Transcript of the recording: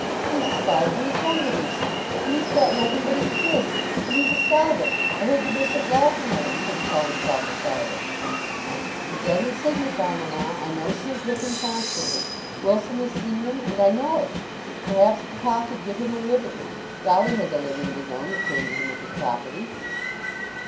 "And he's five years younger than she! And he's got nothing but his curacy! And he's a celibate! I heard the bishop laughing at him because he called himself a celibate." "It doesn't signify, mamma. I know she is with him constantly. Wilson has seen them, and I know it. Perhaps papa could get him a living. Dolly has a living of his own that came to him with his property."